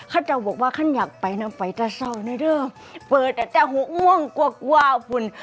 ขั้นจะบอกว่าขั้นอยากไปนำไฟตาเศร้าในเดิมเปิดแต่แต่หกม่วงกว่ากว้าฝุ่น